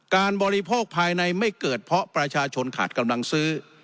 บริโภคภายในไม่เกิดเพราะประชาชนขาดกำลังซื้อ